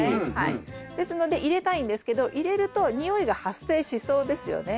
ですので入れたいんですけど入れると臭いが発生しそうですよね。